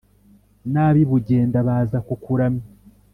n'ab'i bugenda baza kukuramya.